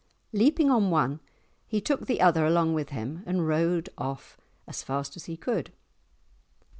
Leaping on one, he took the other along with him, and rode off as fast as he could.